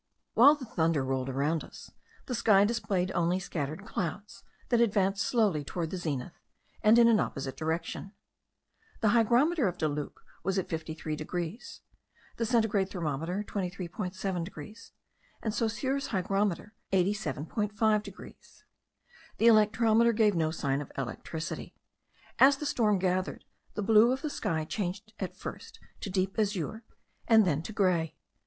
While the thunder rolled around us, the sky displayed only scattered clouds, that advanced slowly toward the zenith, and in an opposite direction. The hygrometer of Deluc was at 53 degrees, the centigrade thermometer 23.7 degrees, and Saussure's hygrometer 87.5 degrees. The electrometer gave no sign of electricity. As the storm gathered, the blue of the sky changed at first to deep azure and then to grey.